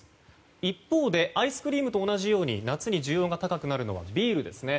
一方でアイスクリームと同じように、夏に需要が高くなるのはビールですね。